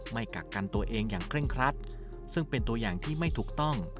กักกันตัวเองอย่างเคร่งครัดซึ่งเป็นตัวอย่างที่ไม่ถูกต้อง